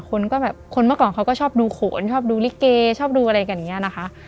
คนเมื่อก่อนเขาก็ชอบดูโขนชอบดูลิเกชอบดูอะไรแบบนี้นะคะ